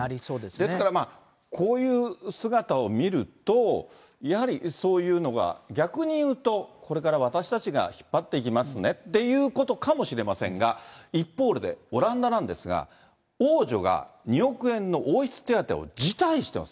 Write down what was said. ですから、こういう姿を見ると、やはりそういうのが、逆に言うと、これから私たちが引っ張っていきますねっていうことかもしれませんが、一方で、オランダなんですが、王女が２億円の王室手当を辞退しています。